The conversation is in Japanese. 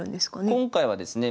今回はですね